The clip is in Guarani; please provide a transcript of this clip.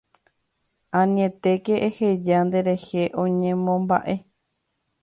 Anietéke eheja nderehe oñemomba'e